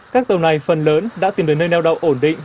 các tàu này phần lớn đã tìm được nơi đau đầu ổn định